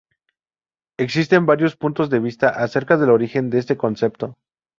Existen varios puntos de vista acerca del origen de este concepto.